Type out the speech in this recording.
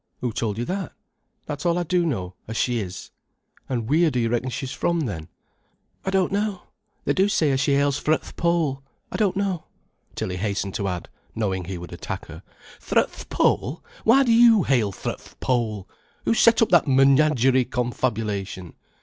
"Who told you that?" "That's all I do know, as she is." "An' wheer do you reckon she's from, then?" "I don't know. They do say as she hails fra th' Pole. I don't know," Tilly hastened to add, knowing he would attack her. "Fra th' Pole, why do you hail fra th' Pole? Who set up that menagerie confabulation?"